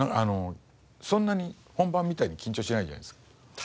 そんなに本番みたいに緊張しないじゃないですか。